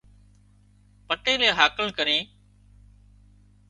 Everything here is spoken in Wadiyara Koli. پٽيلئي هاڪل ڪرِي